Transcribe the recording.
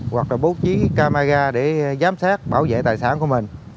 hoặc là bố trí camera để giám sát bảo vệ tài sản của mình